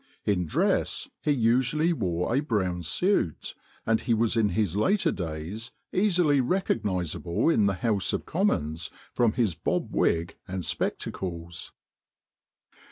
In dress he usually wore a brown suit; and he was in his later days easily recognisable in the House of Commons from his bob wig and spectacles."